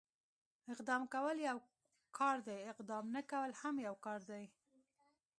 اقدام کول يو کار دی، اقدام نه کول هم يو کار دی.